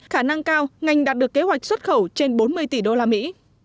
khả năng cao ngành đạt được kế hoạch xuất khẩu trên bốn mươi tỷ đô la mỹ